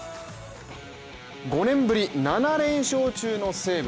５年ぶり、７連勝中の西武